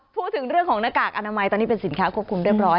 พูดถึงเรื่องของหน้ากากอนามัยตอนนี้เป็นสินค้าควบคุมเรียบร้อย